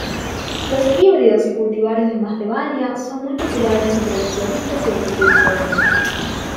Los híbridos y cultivares de "Masdevallia" son muy populares entre los floristas y horticultores.